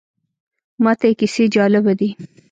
ماته یې کیسې جالبه دي.